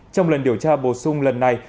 trong lần điều tra bổ sung lần này